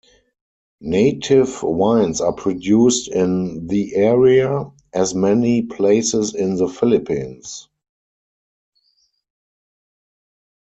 Native wines are produced in the area, as in many places in the Philippines.